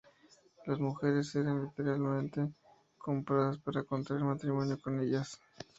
Las mujeres eran literalmente compradas para contraer matrimonio con ellas.